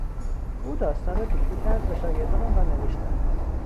او داستان را دیکته کرد و شاگردان آن را نوشتند.